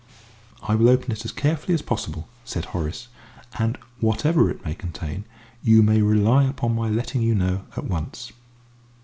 "I will open it as carefully as possible," said Horace, "and whatever it may contain, you may rely upon my letting you know at once."